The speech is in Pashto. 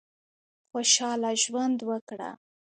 خوشاله ژوند وکړه.